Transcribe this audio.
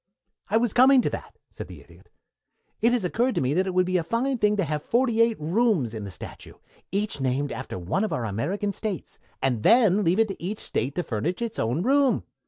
"I was coming to that," said the Idiot. "It has occurred to me that it would be a fine thing to have forty eight rooms in the statue, each named after one of our American States, and then leave it to each State to furnish its own room.